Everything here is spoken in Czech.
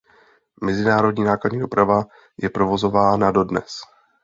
Mezinárodní nákladní doprava je provozována dodnes.